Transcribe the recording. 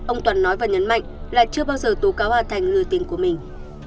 ông toàn nói và nhấn mạnh là chưa bao giờ tố cáo hà thành lừa tiền của mình